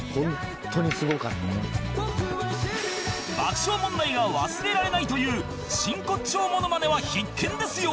爆笑問題が忘れられないという真骨頂モノマネは必見ですよ